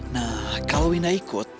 nah kalau winda ikut